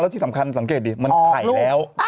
แล้วที่สำคัญสังเกตดีมันถ่ายแล้ว